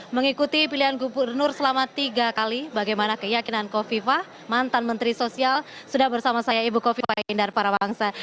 mengikuti pilihan gubernur selama tiga kali bagaimana keyakinan kofifah mantan menteri sosial sudah bersama saya ibu kofifa indar parawangsa